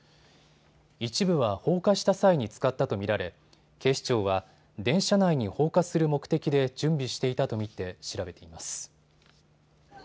一部は放火した際に使ったと見られ警視庁は電車内に放火する目的で準備していたと見て調べています。